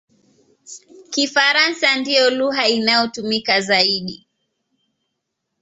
Kifaransa ndiyo lugha inayotumika zaidi.